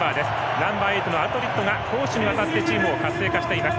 ナンバーエイト、アルドリットが攻守にわたってチームを活性化しています。